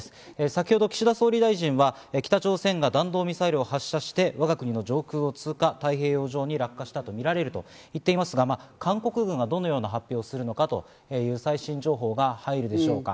先ほど岸田総理大臣は北朝鮮が弾道ミサイルを発射して、我が国の上空を通過、太平洋上に落下したとみられると言っていますが、韓国軍はどのような発表をするのか最新情報が入るでしょうか。